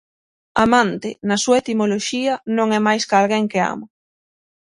"Amante", na súa etimoloxía, non é máis ca alguén que ama.